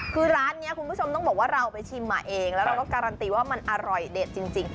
คือร้านนี้คุณผู้ชมต้องบอกว่าเราไปชิมมาเองแล้วเราก็การันตีว่ามันอร่อยเด็ดจริง